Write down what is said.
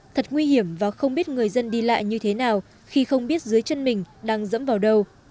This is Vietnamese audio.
thật nguy hiểm và không biết người dân đi lại như thế nào khi không biết dưới chân mình đang dẫm vào đâu